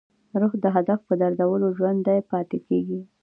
روح د هدف په درلودو ژوندی پاتې کېږي.